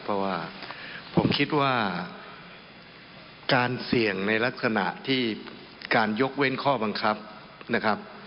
เพราะว่าผมคิดว่าการเสี่ยงในลักษณะที่การยกเว้นข้อบังคับนะครับ